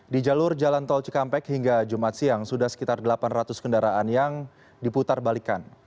di jalur jalan tol cikampek hingga jumat siang sudah sekitar delapan ratus kendaraan yang diputar balikan